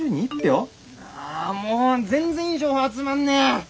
あもう全然いい情報集まんねえ！